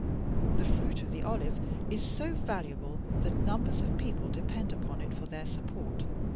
The fruit of the olive is so valuable that numbers of people depend upon it for their support.